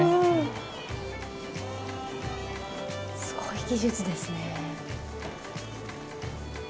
すごい技術ですね。